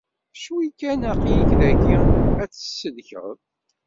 Cwi kan aql-ik dayi ad t-id-tsellkeḍ.